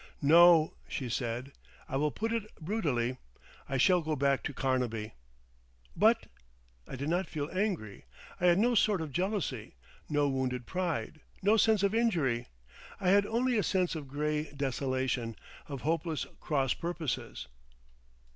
"No," she said, "I will put it brutally, I shall go back to Carnaby." "But—!" I did not feel angry. I had no sort of jealousy, no wounded pride, no sense of injury. I had only a sense of grey desolation, of hopeless cross purposes.